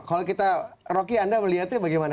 kalau kita rocky anda melihatnya bagaimana